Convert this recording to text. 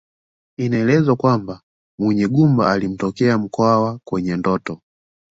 Inaelezwa kwamba Munyigumba alimtokea Mkwawa kwenye ndoto